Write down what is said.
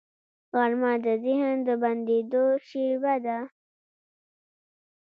غرمه د ذهن د بندېدو شیبه ده